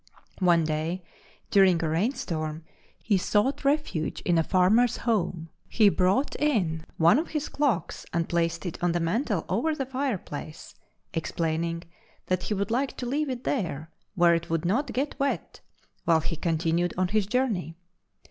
One day, during a rain storm, he sought refuge in a farmer's home. He brought in with him one of his clocks and placed it on the mantel over the fireplace, explaining that he would like to leave it there, where it would not get wet, while he continued on his journey.